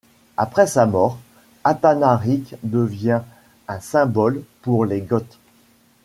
Après sa mort, Athanaric devient un symbole pour les Goths.